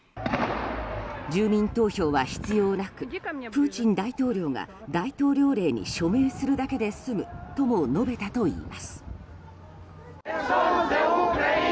住民投票は必要なくプーチン大統領が大統領令に署名するだけで済むとも述べたといいます。